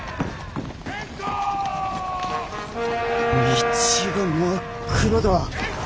道が真っ黒だ。